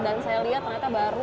dan saya lihat ternyata baru